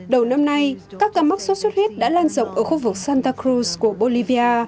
đầu năm nay các căn mắc sốt xuất huyết đã lan rộng ở khu vực santa cruz của bolivia